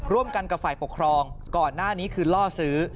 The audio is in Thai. ร่วมกันกับฝ่ายปกครองก่อนหน้านี้คือล่อซื้อ